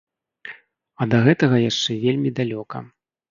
А да гэтага яшчэ вельмі далёка.